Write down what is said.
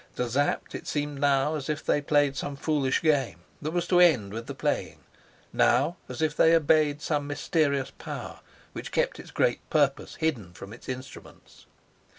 To Sapt it seemed now as if they played some foolish game that was to end with the playing, now as if they obeyed some mysterious power which kept its great purpose hidden from its instruments.